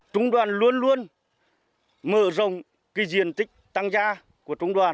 trung đoàn luôn luôn mở rộng cái diện tích tăng gia của trung đoàn